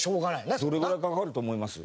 「どれぐらいかかると思います？」。